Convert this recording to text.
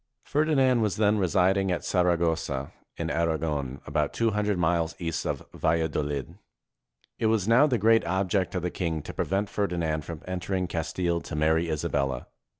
Ferdinand was then residing at Saragossa, in Aragon, about two hundred miles east of Valladolid. It was now the great object of the king to prevent Ferdinand from entering Castile to marry Isabella.